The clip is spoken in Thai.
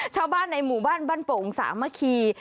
เช่าบ้านในหมู่บ้านบ้านป่องสามคี